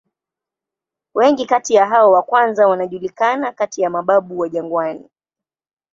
Wengi kati ya hao wa kwanza wanajulikana kati ya "mababu wa jangwani".